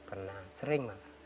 pernah sering banget